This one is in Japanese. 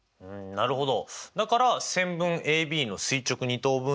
なるほど。